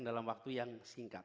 dalam waktu yang singkat